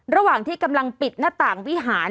ระหว่างที่กำลังปิดหน้าต่างวิหาร